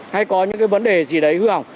hay có những cái vấn đề gì đấy hư hỏng